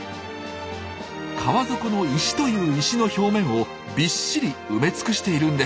川底の石という石の表面をびっしり埋め尽くしているんです。